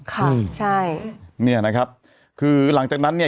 ค่ะใช่เนี่ยนะครับคือหลังจากนั้นเนี่ย